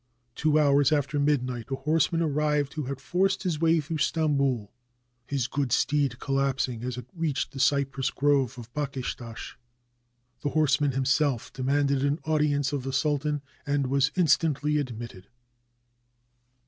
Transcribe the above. Two hours after midnight a horseman arrived who had forced his way through Stamboul, his good steed collapsing as it reached the cypress grove of Bakshishtash. The horse man himself demanded an audience of the sultan, and was instantly admitted.